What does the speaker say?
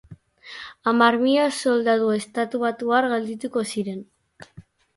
Hamar mila soldadu estatubatuar geldituko ziren.